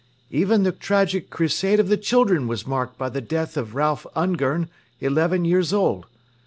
Even the tragic Crusade of the Children was marked by the death of Ralph Ungern, eleven years old.